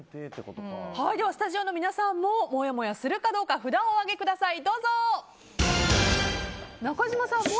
スタジオの皆さんももやもやするかどうか札をお上げください。